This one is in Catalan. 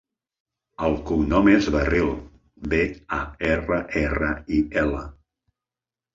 El cognom és Barril: be, a, erra, erra, i, ela.